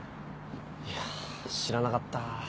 いや知らなかった。